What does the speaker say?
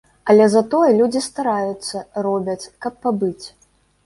Але затое людзі стараюцца, робяць, каб пабыць.